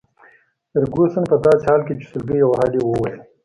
فرګوسن په داسي حال کي چي سلګۍ يې وهلې وویل.